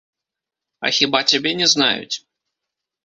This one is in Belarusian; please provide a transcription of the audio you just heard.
А хіба цябе не знаюць?